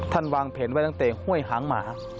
วางแผนไว้ตั้งแต่ห้วยหางหมา